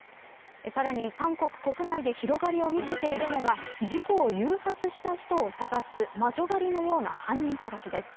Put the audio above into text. さらに、韓国国内で広がりを見せているのが事故を誘発した人を探す魔女狩りのような犯人探しです。